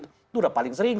itu udah paling sering